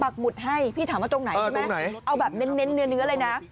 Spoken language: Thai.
หมุดให้พี่ถามว่าตรงไหนใช่ไหมเอาแบบเน้นเนื้อเลยนะ